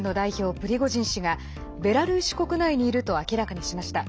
プリゴジン氏がベラルーシ国内にいると明らかにしました。